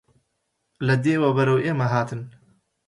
لە دێوە بەرەو ئێمە هاتن